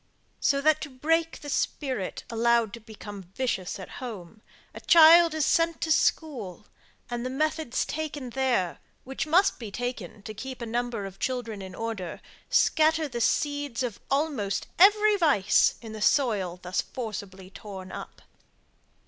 So that to break the spirit, allowed to become vicious at home, a child is sent to school; and the methods taken there, which must be taken to keep a number of children in order, scatter the seeds of almost every vice in the soil thus forcibly torn up.